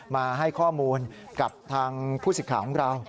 มาให้ข้อมูลกับทางผู้สิทธิ์ข่าวของเรา